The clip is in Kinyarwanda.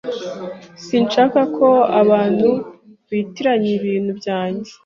Sinshaka ko abantu bitiranya ibintu byanjye.